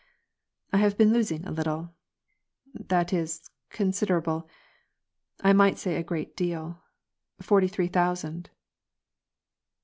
" I have been losing a little ; that is, considerable ; I might say a great deal — forty three thousand."